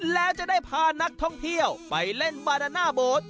แล้วจะได้พานักท่องเที่ยวไปเล่นบาดาน่าโบ๊ท